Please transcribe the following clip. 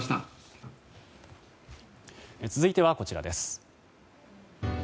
続いてはこちらです。